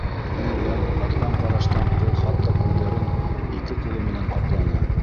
Үлгән, ҡатҡан ҡараштан ҡыҙ хатта күҙҙәрен ике ҡулы менән ҡапланы.